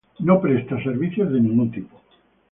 No presta servicios de ningún tipo.